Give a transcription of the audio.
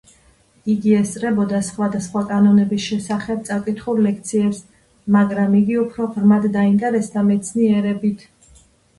იგი ესწრებოდა სხვადასხვა კანონების შესახებ წაკითხულ ლექციებს, მაგრამ იგი უფრო ღრმად დაინტერესდა მეცნიერებით.